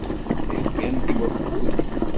Theggamt i waffug.